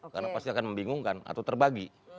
karena pasti akan membingungkan atau terbagi